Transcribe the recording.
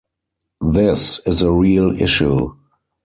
This is a real issue.